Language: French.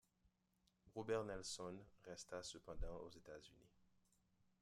Robert Nelson resta cependant aux États-Unis.